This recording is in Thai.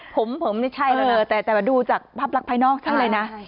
ผมผมไม่ใช่แล้วนะแต่ดูจากภาพลักษณ์ภายนอกใช่เลยนะ